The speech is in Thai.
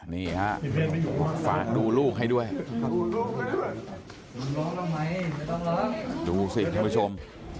นี่ฮะฝากดูลูกให้ด้วยดูสิท่านผู้ชม